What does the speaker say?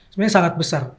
sebenarnya sangat besar